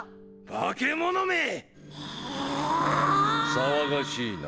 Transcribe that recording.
騒がしいな。